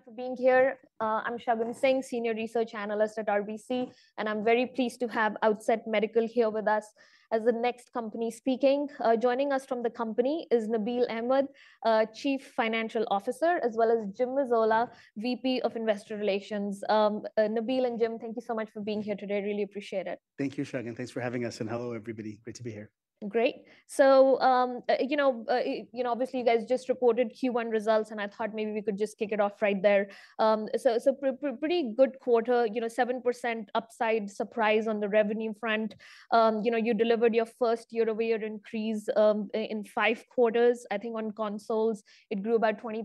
Everyone for being here. I'm Shagun Singh, Senior Research Analyst at RBC, and I'm very pleased to have Outset Medical here with us as the next company speaking. Joining us from the company is Nabeel Ahmed, Chief Financial Officer, as well as James Mazzola, VP of Investor Relations. Nabeel and Jim, thank you so much for being here today. Really appreciate it. Thank you, Shagun. Thanks for having us, and hello, everybody. Great to be here. Great. So, you know, obviously, you guys just reported Q1 results, and I thought maybe we could just kick it off right there. Pretty good quarter, you know, 7% upside surprise on the revenue front. You delivered your first year-over-year increase in five quarters. I think on consoles, it grew about 23%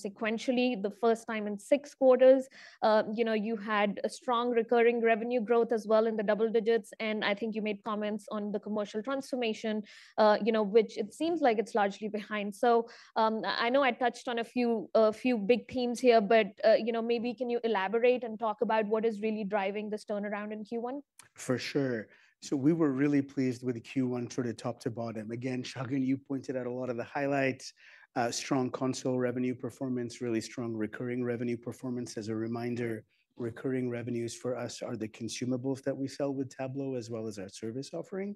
sequentially, the first time in six quarters. You had strong recurring revenue growth as well in the double digits, and I think you made comments on the commercial transformation, which it seems like it's largely behind. I know I touched on a few big themes here, but maybe can you elaborate and talk about what is really driving this turnaround in Q1? For sure. We were really pleased with Q1, sort of top to bottom. Again, Shagun, you pointed out a lot of the highlights: strong console revenue performance, really strong recurring revenue performance. As a reminder, recurring revenues for us are the consumables that we sell with Tablo, as well as our service offering.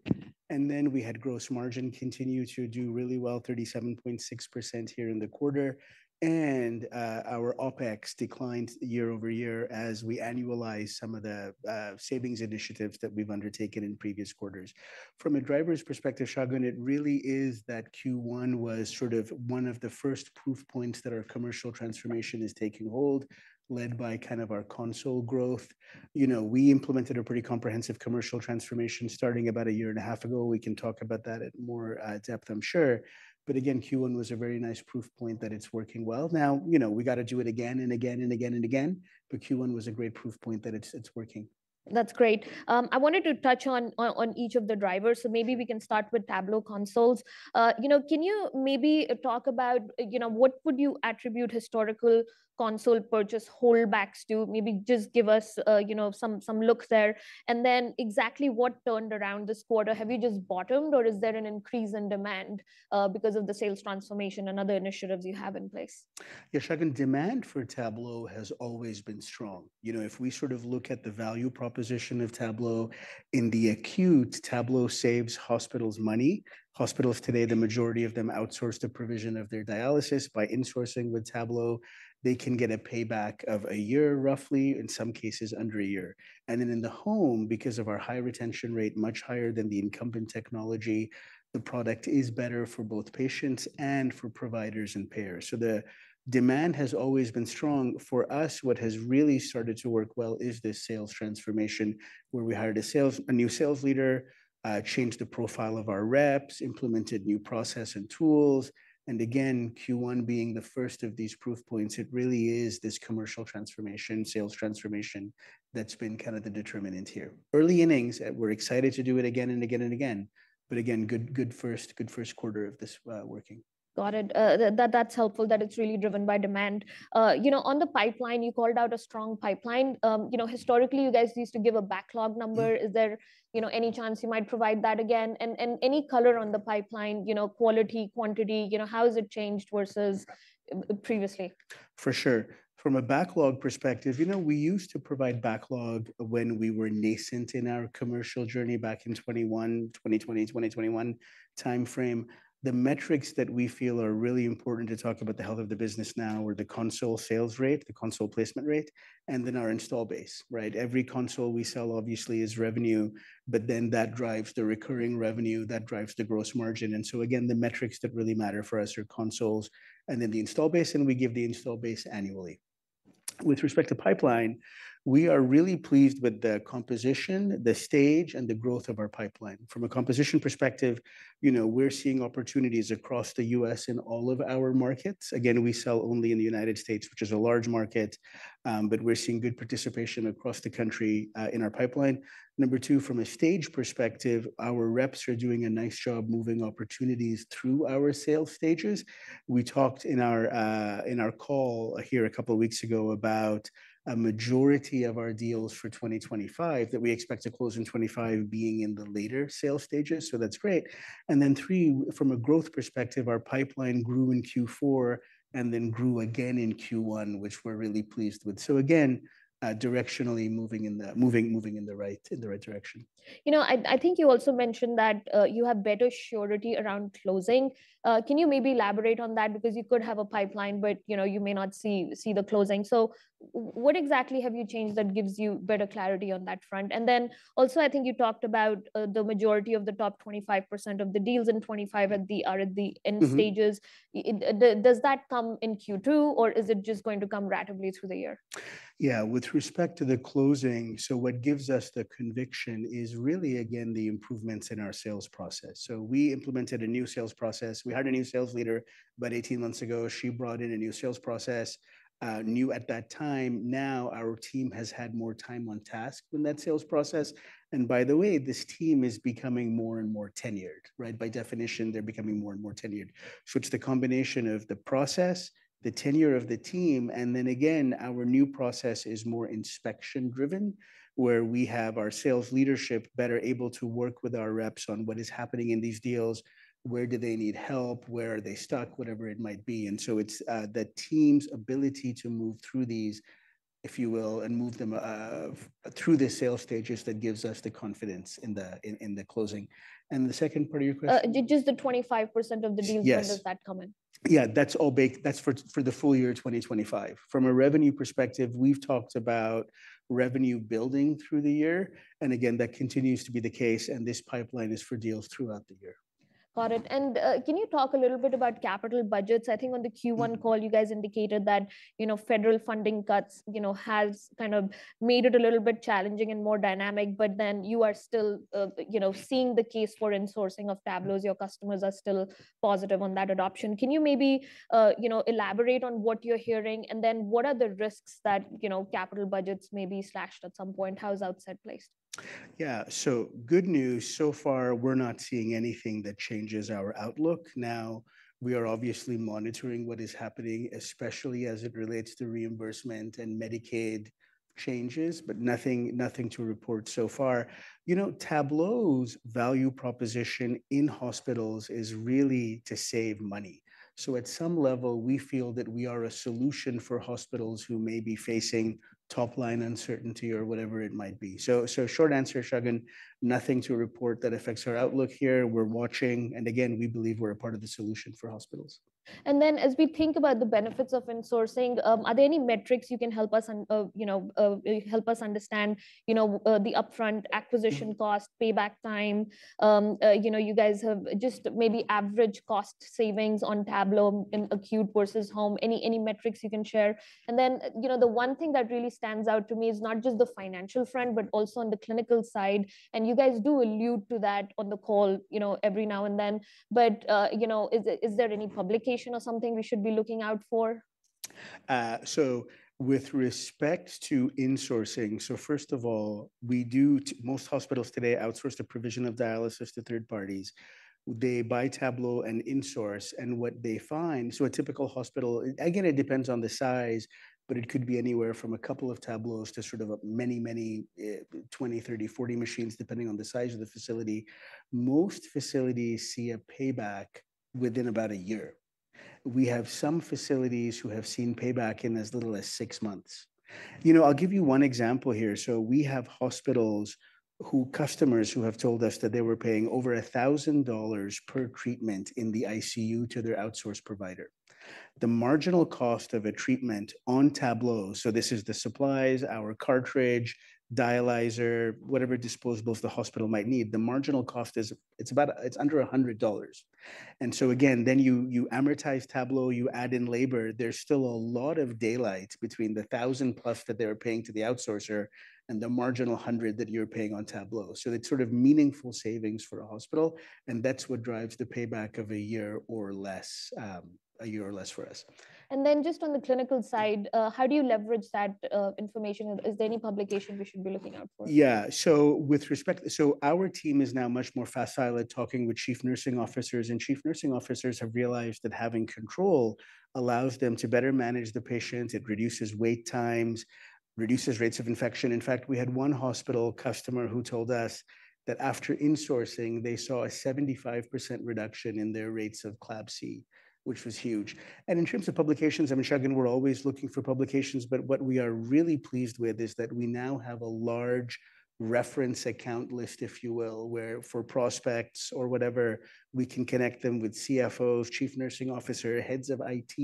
We had gross margin continue to do really well, 37.6% here in the quarter. Our OpEx declined year over year as we annualize some of the savings initiatives that we've undertaken in previous quarters. From a driver's perspective, Shagun, it really is that Q1 was sort of one of the first proof points that our commercial transformation is taking hold, led by kind of our console growth. We implemented a pretty comprehensive commercial transformation starting about a year and a half ago. We can talk about that at more depth, I'm sure. Again, Q1 was a very nice proof point that it's working well. Now, we got to do it again and again and again and again, but Q1 was a great proof point that it's working. That's great. I wanted to touch on each of the drivers, so maybe we can start with Tablo consoles. Can you maybe talk about what would you attribute historical console purchase holdbacks to? Maybe just give us some looks there. Then exactly what turned around this quarter? Have you just bottomed, or is there an increase in demand because of the sales transformation and other initiatives you have in place? Yeah, Shagun, demand for Tablo has always been strong. If we sort of look at the value proposition of Tablo in the acute, Tablo saves hospitals money. Hospitals today, the majority of them, outsource the provision of their dialysis. By insourcing with Tablo, they can get a payback of a year, roughly, in some cases under a year. In the home, because of our high retention rate, much higher than the incumbent technology, the product is better for both patients and for providers and payers. The demand has always been strong. For us, what has really started to work well is this sales transformation, where we hired a new sales leader, changed the profile of our reps, implemented new process and tools. Q1 being the first of these proof points, it really is this commercial transformation, sales transformation, that's been kind of the determinant here. Early innings, we're excited to do it again and again and again. Again, good first quarter of this working. Got it. That's helpful that it's really driven by demand. On the pipeline, you called out a strong pipeline. Historically, you guys used to give a backlog number. Is there any chance you might provide that again? And any color on the pipeline, quality, quantity, how has it changed versus previously? For sure. From a backlog perspective, we used to provide backlog when we were nascent in our commercial journey back in 2020, 2021 timeframe. The metrics that we feel are really important to talk about the health of the business now are the console sales rate, the console placement rate, and then our install base. Every console we sell, obviously, is revenue, but then that drives the recurring revenue, that drives the gross margin. The metrics that really matter for us are consoles and then the install base, and we give the install base annually. With respect to pipeline, we are really pleased with the composition, the stage, and the growth of our pipeline. From a composition perspective, we are seeing opportunities across the U.S. in all of our markets. Again, we sell only in the United States, which is a large market, but we're seeing good participation across the country in our pipeline. Number two, from a stage perspective, our reps are doing a nice job moving opportunities through our sales stages. We talked in our call here a couple of weeks ago about a majority of our deals for 2025 that we expect to close in 2025 being in the later sales stages. That's great. Number three, from a growth perspective, our pipeline grew in Q4 and then grew again in Q1, which we're really pleased with. Again, directionally moving in the right direction. You know, I think you also mentioned that you have better surety around closing. Can you maybe elaborate on that? Because you could have a pipeline, but you may not see the closing. What exactly have you changed that gives you better clarity on that front? I think you talked about the majority of the top 25% of the deals in 2025 are at the end stages. Does that come in Q2, or is it just going to come rapidly through the year? Yeah, with respect to the closing, what gives us the conviction is really, again, the improvements in our sales process. We implemented a new sales process. We hired a new sales leader about 18 months ago. She brought in a new sales process, new at that time. Now, our team has had more time on task in that sales process. By the way, this team is becoming more and more tenured. By definition, they're becoming more and more tenured. It is the combination of the process, the tenure of the team, and then again, our new process is more inspection-driven, where we have our sales leadership better able to work with our reps on what is happening in these deals, where do they need help, where are they stuck, whatever it might be. It is the team's ability to move through these, if you will, and move them through the sales stages that gives us the confidence in the closing. The second part of your question? Just the 25% of the deals, when does that come in? Yeah, that's for the full year 2025. From a revenue perspective, we've talked about revenue building through the year. Again, that continues to be the case, and this pipeline is for deals throughout the year. Got it. Can you talk a little bit about capital budgets? I think on the Q1 call, you guys indicated that federal funding cuts have kind of made it a little bit challenging and more dynamic, but you are still seeing the case for insourcing of Tablos. Your customers are still positive on that adoption. Can you maybe elaborate on what you're hearing? What are the risks that capital budgets may be slashed at some point? How is Outset placed? Yeah, good news. So far, we're not seeing anything that changes our outlook. Now, we are obviously monitoring what is happening, especially as it relates to reimbursement and Medicaid changes, but nothing to report so far. Tablo's value proposition in hospitals is really to save money. At some level, we feel that we are a solution for hospitals who may be facing top-line uncertainty or whatever it might be. Short answer, Shagun, nothing to report that affects our outlook here. We're watching, and again, we believe we're a part of the solution for hospitals. As we think about the benefits of insourcing, are there any metrics you can help us understand, the upfront acquisition cost, payback time? You guys have just maybe average cost savings on Tablo in acute versus home. Any metrics you can share? The one thing that really stands out to me is not just the financial front, but also on the clinical side. You guys do allude to that on the call every now and then. Is there any publication or something we should be looking out for? With respect to insourcing, first of all, most hospitals today outsource the provision of dialysis to third parties. They buy Tablo and insource, and what they find, a typical hospital, again, it depends on the size, but it could be anywhere from a couple of Tablos to many, 20, 30, 40 machines, depending on the size of the facility. Most facilities see a payback within about a year. We have some facilities who have seen payback in as little as six months. I'll give you one example here. We have hospitals whose customers have told us that they were paying over $1,000 per treatment in the ICU to their outsourced provider. The marginal cost of a treatment on Tablo, so this is the supplies, our cartridge, dialyzer, whatever disposables the hospital might need, the marginal cost is under $100. Again, then you amortize Tablo, you add in labor, there's still a lot of daylight between the $1,000 plus that they're paying to the outsourcer and the marginal $100 that you're paying on Tablo. It is sort of meaningful savings for a hospital, and that's what drives the payback of a year or less, a year or less for us. On the clinical side, how do you leverage that information? Is there any publication we should be looking out for? Yeah, so with respect, our team is now much more facile at talking with chief nursing officers, and chief nursing officers have realized that having control allows them to better manage the patients. It reduces wait times, reduces rates of infection. In fact, we had one hospital customer who told us that after insourcing, they saw a 75% reduction in their rates of CLABSI, which was huge. In terms of publications, I mean, Shagun, we're always looking for publications, but what we are really pleased with is that we now have a large reference account list, if you will, where for prospects or whatever, we can connect them with CFOs, chief nursing officers, heads of IT,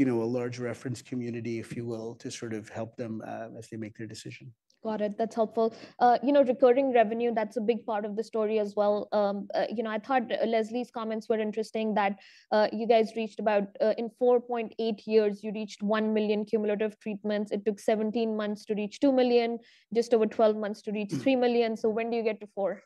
a large reference community, if you will, to sort of help them as they make their decision. Got it. That's helpful. You know, recurring revenue, that's a big part of the story as well. I thought Leslie's comments were interesting that you guys reached about in 4.8 years, you reached 1 million cumulative treatments. It took 17 months to reach two million, just over 12 months to reach three million. When do you get to 4?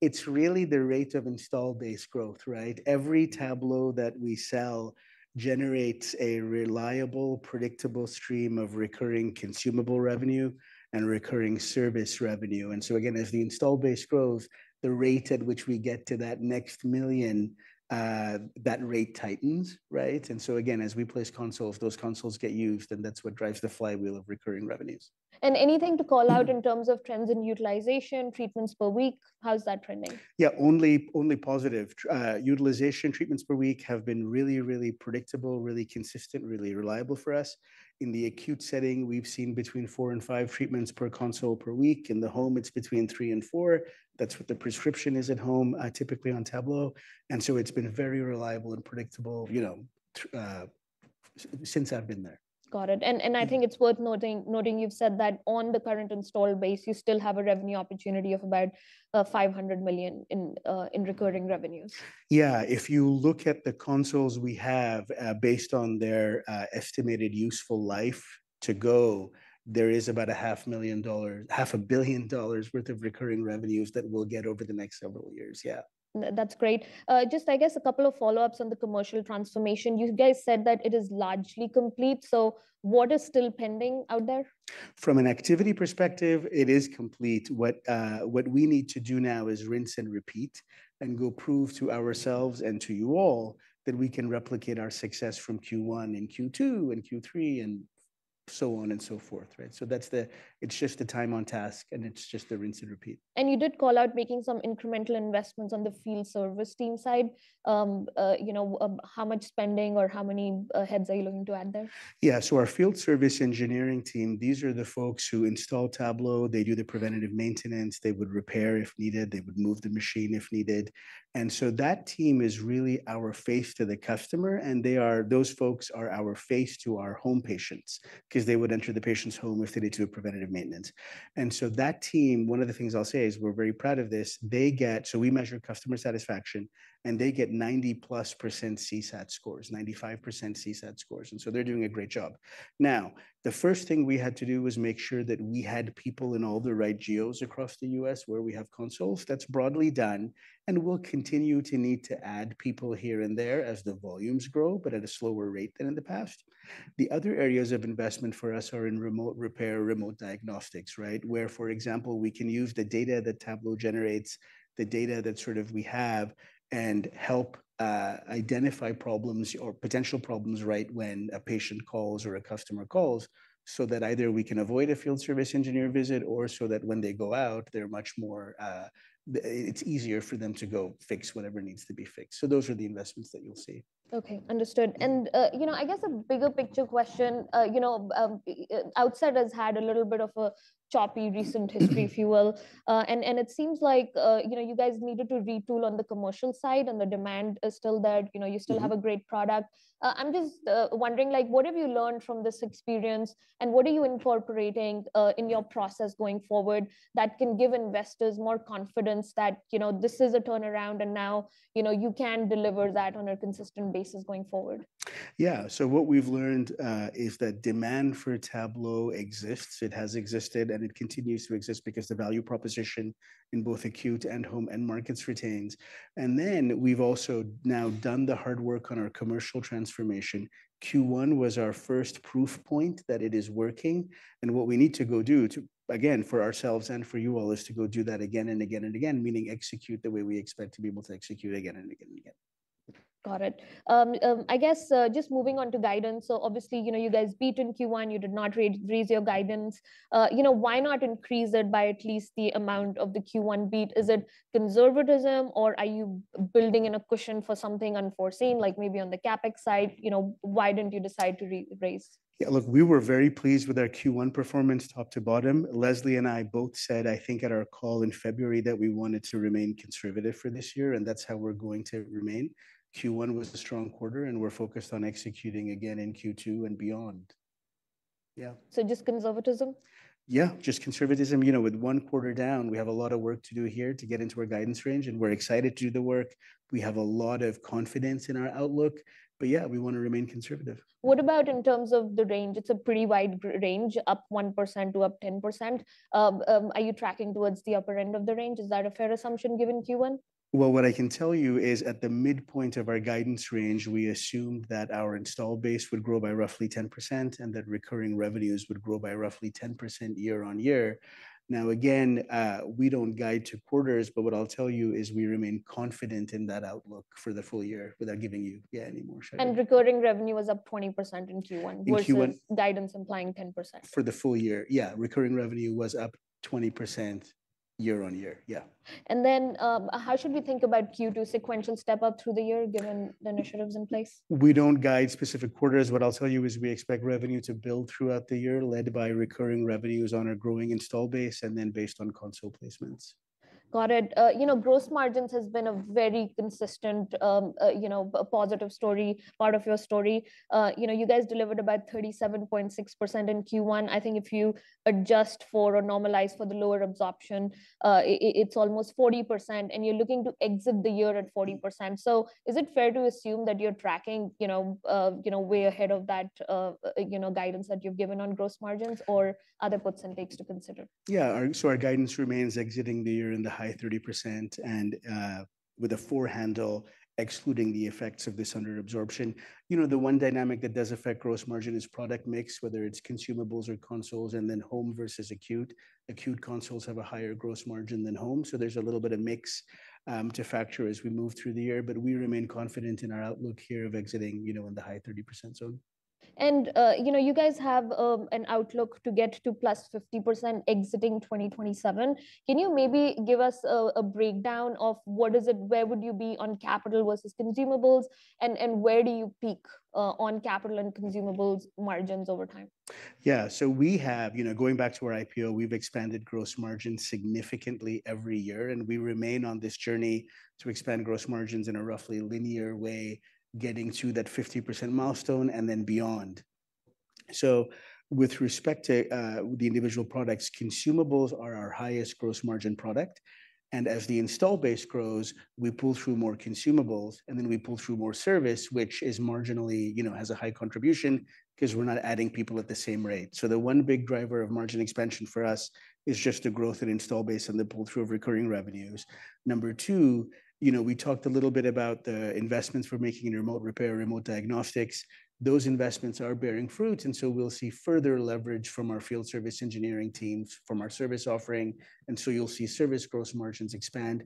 It's really the rate of install base growth, right? Every Tablo that we sell generates a reliable, predictable stream of recurring consumable revenue and recurring service revenue. As the install base grows, the rate at which we get to that next million, that rate tightens, right? As we place consoles, those consoles get used, and that's what drives the flywheel of recurring revenues. Anything to call out in terms of trends in utilization, treatments per week? How's that trending? Yeah, only positive. Utilization treatments per week have been really, really predictable, really consistent, really reliable for us. In the acute setting, we've seen between four and five treatments per console per week. In the home, it's between three and four. That's what the prescription is at home, typically on Tablo. And so it's been very reliable and predictable since I've been there. Got it. I think it's worth noting you've said that on the current install base, you still have a revenue opportunity of about $500 million in recurring revenues. Yeah, if you look at the consoles we have based on their estimated useful life to go, there is about $500,000,000 worth of recurring revenues that we'll get over the next several years, yeah. That's great. Just, I guess, a couple of follow-ups on the commercial transformation. You guys said that it is largely complete. What is still pending out there? From an activity perspective, it is complete. What we need to do now is rinse and repeat and go prove to ourselves and to you all that we can replicate our success from Q1 and Q2 and Q3 and so on and so forth, right? It is just the time on task, and it is just the rinse and repeat. You did call out making some incremental investments on the field service team side. How much spending or how many heads are you looking to add there? Yeah, so our field service engineering team, these are the folks who install Tablo. They do the preventative maintenance. They would repair if needed. They would move the machine if needed. That team is really our face to the customer, and those folks are our face to our home patients because they would enter the patient's home if they need to do preventative maintenance. That team, one of the things I'll say is we're very proud of this. We measure customer satisfaction, and they get 90%+ CSAT scores, 95% CSAT scores. They're doing a great job. The first thing we had to do was make sure that we had people in all the right geos across the U.S. where we have consoles. That's broadly done, and we'll continue to need to add people here and there as the volumes grow, but at a slower rate than in the past. The other areas of investment for us are in remote repair, remote diagnostics, right? Where, for example, we can use the data that Tablo generates, the data that sort of we have, and help identify problems or potential problems right when a patient calls or a customer calls so that either we can avoid a field service engineer visit or so that when they go out, it's easier for them to go fix whatever needs to be fixed. Those are the investments that you'll see. Okay, understood. I guess a bigger picture question, Outset has had a little bit of a choppy recent history, if you will. It seems like you guys needed to retool on the commercial side, and the demand is still there. You still have a great product. I'm just wondering, what have you learned from this experience, and what are you incorporating in your process going forward that can give investors more confidence that this is a turnaround and now you can deliver that on a consistent basis going forward? Yeah, so what we've learned is that demand for Tablo exists. It has existed, and it continues to exist because the value proposition in both acute and home end markets retains. Then we've also now done the hard work on our commercial transformation. Q1 was our first proof point that it is working. What we need to go do, again, for ourselves and for you all, is to go do that again and again and again, meaning execute the way we expect to be able to execute again and again and again. Got it. I guess just moving on to guidance. Obviously, you guys beat in Q1. You did not raise your guidance. Why not increase it by at least the amount of the Q1 beat? Is it conservatism, or are you building in a cushion for something unforeseen, like maybe on the CapEx side? Why did you not decide to raise? Yeah, look, we were very pleased with our Q1 performance top to bottom. Leslie and I both said, I think at our call in February, that we wanted to remain conservative for this year, and that's how we're going to remain. Q1 was a strong quarter, and we're focused on executing again in Q2 and beyond. Yeah. Just conservatism? Yeah, just conservatism. You know, with one quarter down, we have a lot of work to do here to get into our guidance range, and we're excited to do the work. We have a lot of confidence in our outlook, but yeah, we want to remain conservative. What about in terms of the range? It's a pretty wide range, up 1% to up 10%. Are you tracking towards the upper end of the range? Is that a fair assumption given Q1? At the midpoint of our guidance range, we assumed that our install base would grow by roughly 10% and that recurring revenues would grow by roughly 10% year on year. Now, again, we do not guide to quarters, but what I will tell you is we remain confident in that outlook for the full year without giving you any more shadow. Recurring revenue was up 20% in Q1 versus guidance implying 10%. For the full year, yeah, recurring revenue was up 20% year on year, yeah. How should we think about Q2 sequential step-up through the year given the initiatives in place? We don't guide specific quarters. What I'll tell you is we expect revenue to build throughout the year, led by recurring revenues on our growing install base and then based on console placements. Got it. You know, gross margins has been a very consistent, positive story, part of your story. You guys delivered about 37.6% in Q1. I think if you adjust for or normalize for the lower absorption, it's almost 40%, and you're looking to exit the year at 40%. So is it fair to assume that you're tracking way ahead of that guidance that you've given on gross margins or other percent takes to consider? Yeah, so our guidance remains exiting the year in the high 30% and with a four handle, excluding the effects of this under absorption. You know, the one dynamic that does affect gross margin is product mix, whether it's consumables or consoles, and then home versus acute. Acute consoles have a higher gross margin than home, so there's a little bit of mix to factor as we move through the year, but we remain confident in our outlook here of exiting in the high 30% zone. You guys have an outlook to get to plus 50% exiting 2027. Can you maybe give us a breakdown of where would you be on capital versus consumables, and where do you peak on capital and consumables margins over time? Yeah, so we have, going back to our IPO, we've expanded gross margins significantly every year, and we remain on this journey to expand gross margins in a roughly linear way, getting to that 50% milestone and then beyond. With respect to the individual products, consumables are our highest gross margin product. As the install base grows, we pull through more consumables, and then we pull through more service, which is marginally, has a high contribution because we're not adding people at the same rate. The one big driver of margin expansion for us is just the growth in install base and the pull-through of recurring revenues. Number two, we talked a little bit about the investments we're making in remote repair, remote diagnostics. Those investments are bearing fruit, and you'll see further leverage from our field service engineering teams, from our service offering, and you'll see service gross margins expand.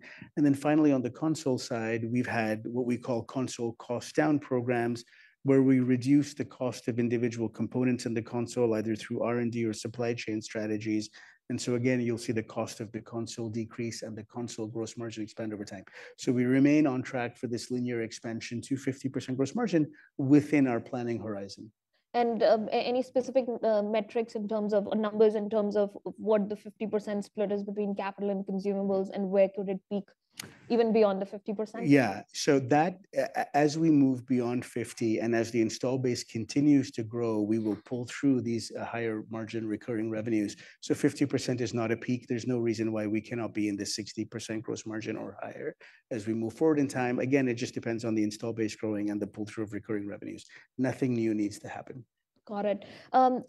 Finally, on the console side, we've had what we call console cost-down programs, where we reduce the cost of individual components in the console, either through R&D or supply chain strategies. Again, you'll see the cost of the console decrease and the console gross margin expand over time. We remain on track for this linear expansion to 50% gross margin within our planning horizon. there any specific metrics in terms of numbers in terms of what the 50% split is between capital and consumables, and where could it peak even beyond the 50%? Yeah, as we move beyond 50% and as the install base continues to grow, we will pull through these higher margin recurring revenues. 50% is not a peak. There's no reason why we cannot be in the 60% gross margin or higher as we move forward in time. Again, it just depends on the install base growing and the pull-through of recurring revenues. Nothing new needs to happen. Got it.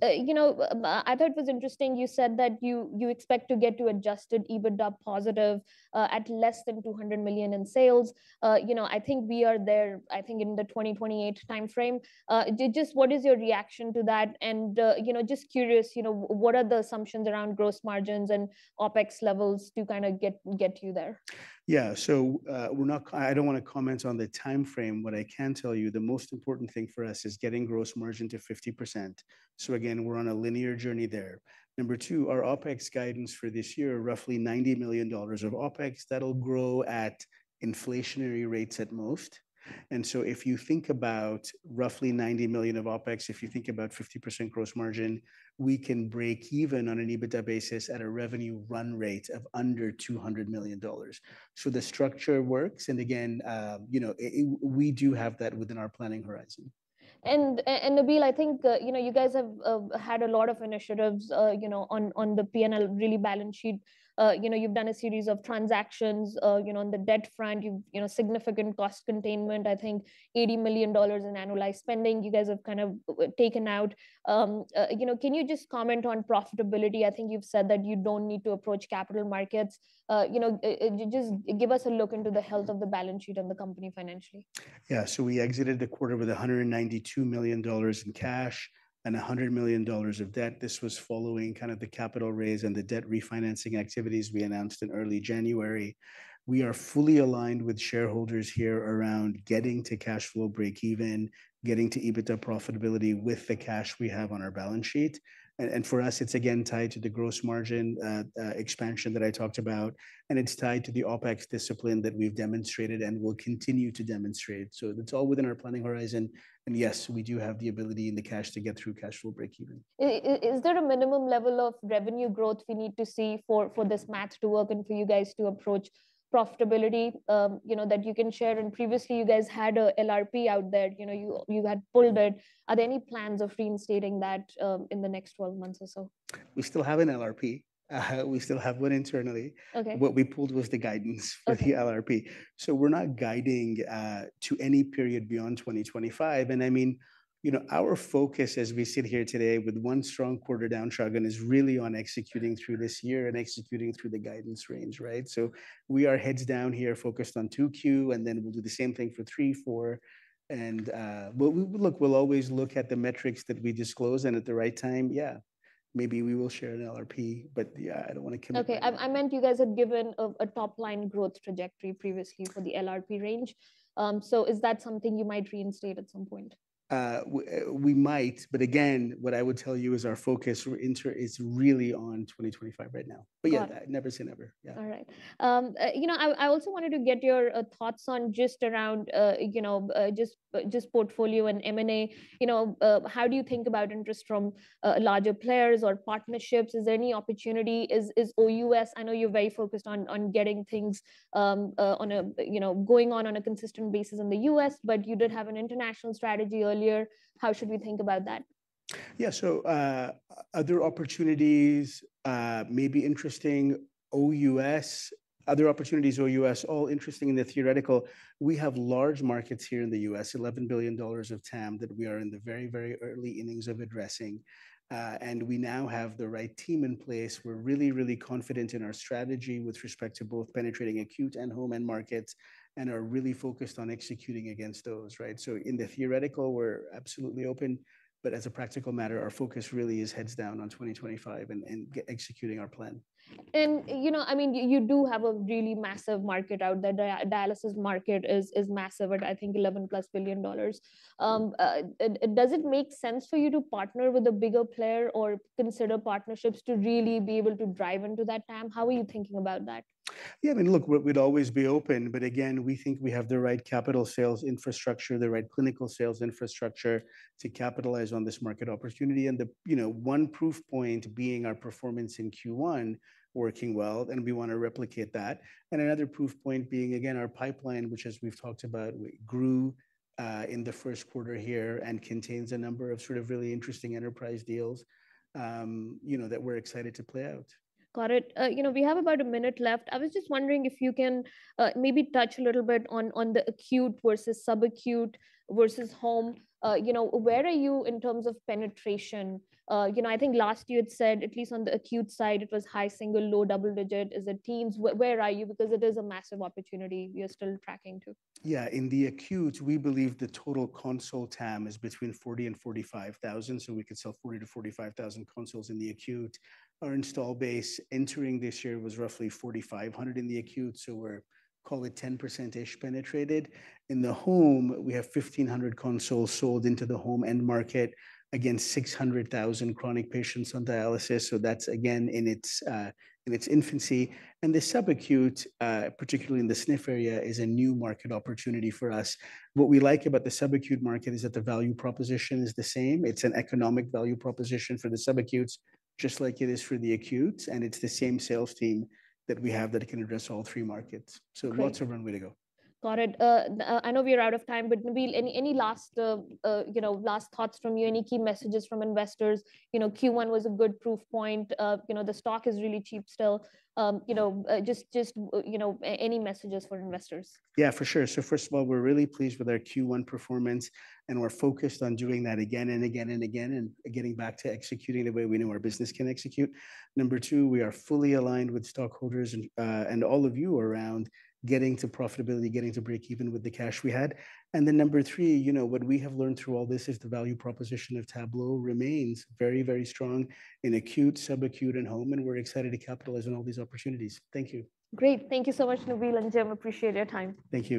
You know, I thought it was interesting. You said that you expect to get to adjusted EBITDA+ at less than $200 million in sales. You know, I think we are there, I think in the 2028 timeframe. Just what is your reaction to that? And just curious, what are the assumptions around gross margins and OpEx levels to kind of get you there? Yeah, so I don't want to comment on the timeframe, but I can tell you the most important thing for us is getting gross margin to 50%. Again, we're on a linear journey there. Number two, our OpEx guidance for this year, roughly $90 million of OpEx, that'll grow at inflationary rates at most. If you think about roughly $90 million of OpEx, if you think about 50% gross margin, we can break even on an EBITDA basis at a revenue run rate of under $200 million. The structure works, and again, we do have that within our planning horizon. Nabeel, I think you guys have had a lot of initiatives on the P&L, really balance sheet. You've done a series of transactions on the debt front, significant cost containment, I think $80 million in annualized spending you guys have kind of taken out. Can you just comment on profitability? I think you've said that you don't need to approach capital markets. Just give us a look into the health of the balance sheet and the company financially. Yeah, so we exited the quarter with $192 million in cash and $100 million of debt. This was following kind of the capital raise and the debt refinancing activities we announced in early January. We are fully aligned with shareholders here around getting to cash flow break-even, getting to EBITDA profitability with the cash we have on our balance sheet. For us, it's again tied to the gross margin expansion that I talked about, and it's tied to the OpEx discipline that we've demonstrated and will continue to demonstrate. It's all within our planning horizon. Yes, we do have the ability in the cash to get through cash flow break-even. Is there a minimum level of revenue growth we need to see for this match to work and for you guys to approach profitability that you can share? Previously, you guys had an LRP out there. You had pulled it. Are there any plans of reinstating that in the next 12 months or so? We still have an LRP. We still have one internally. What we pulled was the guidance for the LRP. We are not guiding to any period beyond 2025. I mean, our focus as we sit here today with one strong quarter down, shrug, is really on executing through this year and executing through the guidance range, right? We are heads down here, focused on 2Q, and then we will do the same thing for three, four. Look, we will always look at the metrics that we disclose, and at the right time, yeah, maybe we will share an LRP, but yeah, I do not want to commit. Okay, I meant you guys had given a top-line growth trajectory previously for the LRP range. Is that something you might reinstate at some point? We might, but again, what I would tell you is our focus is really on 2025 right now. Yeah, never say never. Yeah. All right. You know, I also wanted to get your thoughts on just around just portfolio and M&A. How do you think about interest from larger players or partnerships? Is there any opportunity? I know you're very focused on getting things going on on a consistent basis in the U.S., but you did have an international strategy earlier. How should we think about that? Yeah, so other opportunities may be interesting. OUS, other opportunities, OUS, all interesting in the theoretical. We have large markets here in the U.S., $11 billion of TAM that we are in the very, very early innings of addressing. And we now have the right team in place. We're really, really confident in our strategy with respect to both penetrating acute and home end markets and are really focused on executing against those, right? In the theoretical, we're absolutely open, but as a practical matter, our focus really is heads down on 2025 and executing our plan. I mean, you do have a really massive market out there. Dialysis market is massive, I think $11+ billion. Does it make sense for you to partner with a bigger player or consider partnerships to really be able to drive into that TAM? How are you thinking about that? Yeah, I mean, look, we'd always be open, but again, we think we have the right capital sales infrastructure, the right clinical sales infrastructure to capitalize on this market opportunity. One proof point being our performance in Q1 working well, and we want to replicate that. Another proof point being, again, our pipeline, which, as we've talked about, grew in the first quarter here and contains a number of sort of really interesting enterprise deals that we're excited to play out. Got it. We have about a minute left. I was just wondering if you can maybe touch a little bit on the acute versus subacute versus home. Where are you in terms of penetration? I think last year it said, at least on the acute side, it was high single, low double digit. Is it teens? Where are you? Because it is a massive opportunity you're still tracking to. Yeah, in the acute, we believe the total console TAM is between 40,000 and 45,000. So we could sell 40,000 to 45,000 consoles in the acute. Our install base entering this year was roughly 4,500 in the acute, so we're call it 10%-ish penetrated. In the home, we have 1,500 consoles sold into the home end market against 600,000 chronic patients on dialysis. That's again in its infancy. The subacute, particularly in the SNF area, is a new market opportunity for us. What we like about the subacute market is that the value proposition is the same. It's an economic value proposition for the subacute, just like it is for the acute, and it's the same sales team that we have that can address all three markets. Lots of runway to go. Got it. I know we're out of time, but Nabeel, any last thoughts from you? Any key messages from investors? Q1 was a good proof point. The stock is really cheap still. Just any messages for investors? Yeah, for sure. First of all, we're really pleased with our Q1 performance, and we're focused on doing that again and again and again and getting back to executing the way we know our business can execute. Number two, we are fully aligned with stockholders and all of you around getting to profitability, getting to break even with the cash we have. Number three, what we have learned through all this is the value proposition of Tablo remains very, very strong in acute, subacute, and home, and we're excited to capitalize on all these opportunities. Thank you. Great. Thank you so much, Nabeel and Jim. Appreciate your time. Thank you.